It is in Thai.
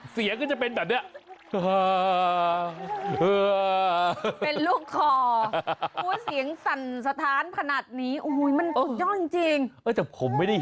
เสียงก็จะเป็นแบบนี้